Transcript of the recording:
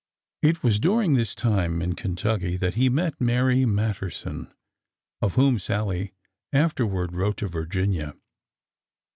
It was during this time in Kentucky that he met Mary Matterson, of whom Sallie afterward wrote to Virginia.